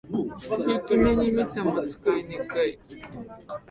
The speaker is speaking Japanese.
ひいき目にみても使いにくい